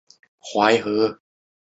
但开发商未按要求修复祠堂。